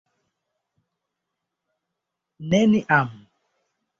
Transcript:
Neniam!